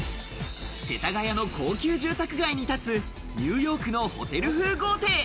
世田谷の高級住宅街に立つ、ニューヨークのホテル風豪邸。